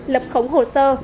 lập khống hồ sơ